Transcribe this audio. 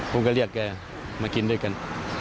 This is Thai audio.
ผมก็เรียกแกมากินด้วยกัน